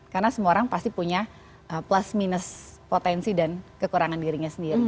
karena semua orang pasti punya plus minus potensi dan kekurangan dirinya sendiri